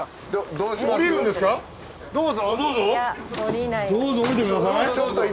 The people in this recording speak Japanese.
どうぞ降りてください。